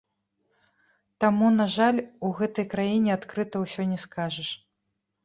Таму, на жаль, у гэтай краіне адкрыта ўсё не скажаш.